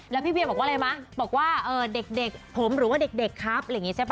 แล้วพี่เวียบอกอะไรบอกว่าเด็กผมหรือเด็กครับ